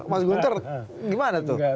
mas gunter gimana tuh